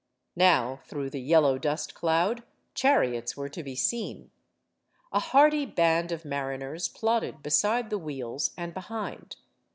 Now, through the yellow dust cloud, chariots were to be seen. A hardy band of mariners plodded beside the wheels and behind.